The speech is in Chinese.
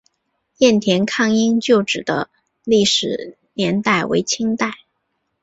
雁田抗英旧址的历史年代为清代。